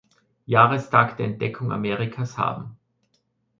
Jahrestag der Entdeckung Amerikas haben.